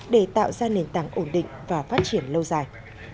để tạo ra nền tảng ổn định và phát triển lâu dài